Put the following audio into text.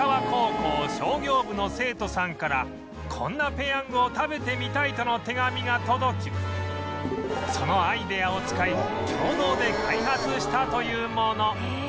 商業部の生徒さんから「こんなペヤングを食べてみたい」との手紙が届きそのアイデアを使い共同で開発したというもの